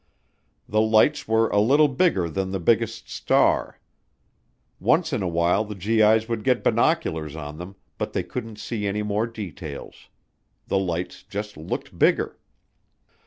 The lights were "a little bigger than the biggest star." Once in a while the GI's would get binoculars on them but they couldn't see any more details. The lights just looked bigger.